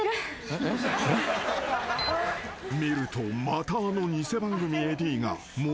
［見るとまたあの偽番組ＡＤがもめている］